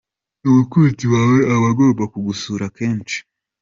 Umukunzi wawe aba agomba kugusura kenshi.